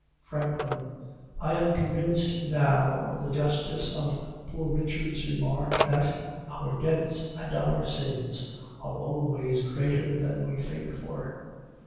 FRANKLIN. I am convinced now of the justness of Poor Richard's remark, that "Our debts and our sins are always greater than we think for."